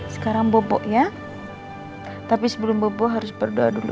sekarang bobo ya tapi sebelum bobo harus berdoa dulu